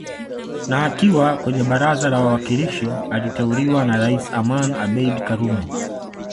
Na akiwa kwenye baraza la wawakilishi aliteuliwa na Rais Amani Abeid karume